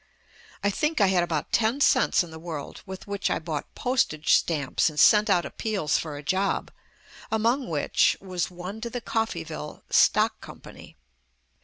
I think I had about ten cents in the world with which I bought postage stamps and sent out appeals for a job, among which "was one to the Cofreyville Stock Company.